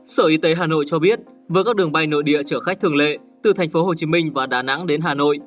sở y tế hà nội cho biết với các đường bay nội địa chở khách thường lệ từ tp hcm và đà nẵng đến hà nội